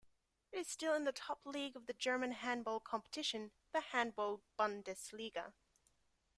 It is still in the top league of the German handball competition: the Handball-Bundesliga.